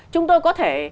chúng tôi có thể